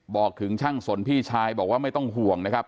บอกถึงช่างสนพี่ชายบอกว่าไม่ต้องห่วงนะครับ